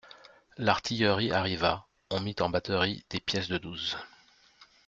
L'artillerie arriva ; on mit en batterie des pièces de douze.